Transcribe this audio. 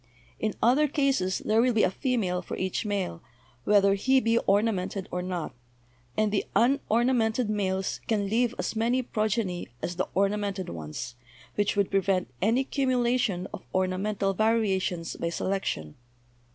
In other cases' there will be a female for each male, whether he be ornamented or not ; and the unornamented males can leave as many progeny as the ornamented ones, which would prevent any cumulation of ornamental variations by se lection.